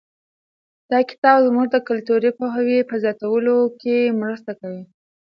دا کتاب زموږ د کلتوري پوهاوي په زیاتولو کې مرسته کوي.